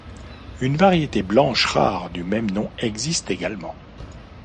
Une variété blanche rare du même nom existe également.